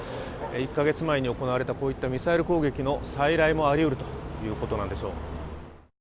１カ月前に行われたこういったミサイル攻撃の再来もありうるということなんでしょう。